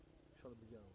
bisa lebih jauh